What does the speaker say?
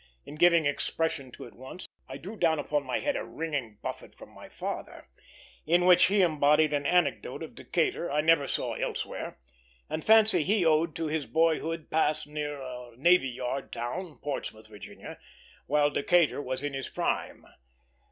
In giving expression to it once, I drew down on my head a ringing buffet from my father, in which he embodied an anecdote of Decatur I never saw elsewhere, and fancy he owed to his boyhood passed near a navy yard town Portsmouth, Virginia while Decatur was in his prime.